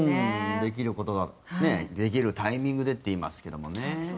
できることはできるタイミングでと言いますけどもね。